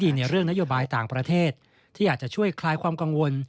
เป็นเรื่องนโยบายต่างประเทศที่อยากเชื่อขลายความกังวล